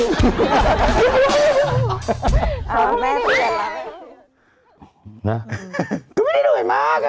ก็ไม่ได้รวยมาก